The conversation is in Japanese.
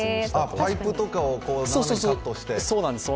パイプとかをカットして。